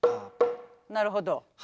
なるほど。